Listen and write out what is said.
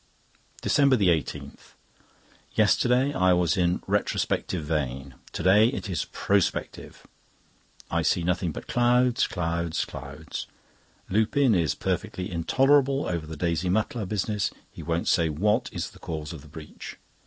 DECEMBER 18.—Yesterday I was in a retrospective vein—to day it is prospective. I see nothing but clouds, clouds, clouds. Lupin is perfectly intolerable over the Daisy Mutlar business. He won't say what is the cause of the breach.